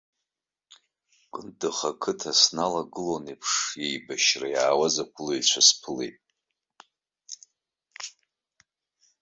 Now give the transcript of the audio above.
Кындыӷ ақыҭа сналагылон еиԥш, еибашьра иаауаз ақәылаҩцәа сԥылеит.